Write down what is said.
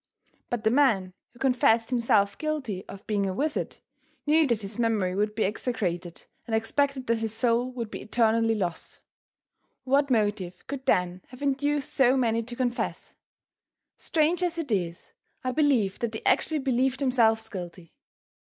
But the man who confessed himself guilty of being a wizard, knew that his memory would be execrated and expected that his soul would be eternally lost. What motive could then have induced so many to confess? Strange as it is, I believe that they actually believed themselves guilty.